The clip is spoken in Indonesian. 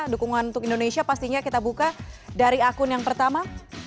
dukungan untuk indonesia pastinya kita buka dari akun yang pertama